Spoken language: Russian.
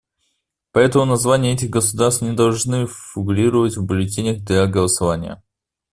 Поэтому названия этих государств не должны фигурировать в бюллетенях для голосования.